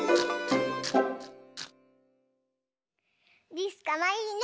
りすかわいいね！